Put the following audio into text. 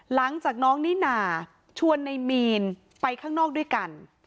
หลังจากน้องนิน่าชวนในมีนไปข้างนอกด้วยกัน